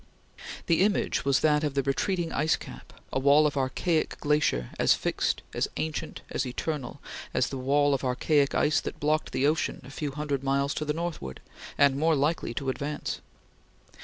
The image was that of the retreating ice cap a wall of archaic glacier, as fixed, as ancient, as eternal, as the wall of archaic ice that blocked the ocean a few hundred miles to the northward, and more likely to advance.